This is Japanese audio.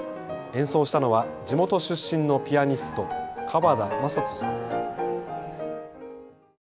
演奏したのは地元出身のピアニスト、川田将人さん。